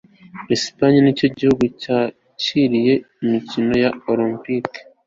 espagne nicyo gihugu cyakiriye imikino olempike